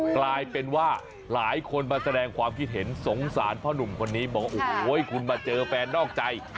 กลายเป็นว่าหลายคนมาแสดงความคิดเห็นสงสารพ่อหนุ่มคนนี้บอกว่าโอ้โหคุณมาเจอแฟนนอกใจ